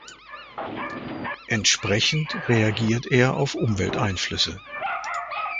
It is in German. Entsprechend reagiert er auf Umwelteinflüsse.